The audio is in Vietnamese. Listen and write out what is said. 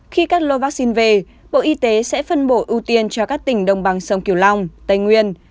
khi các lô vaccine về bộ y tế sẽ phân bổ ưu tiên cho các tỉnh đồng bằng sông kiều long tây nguyên